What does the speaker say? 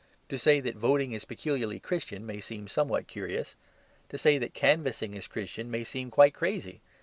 To say that voting is particularly Christian may seem somewhat curious. To say that canvassing is Christian may seem quite crazy.